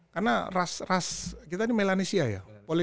karena ras ras kita ini melanesia ya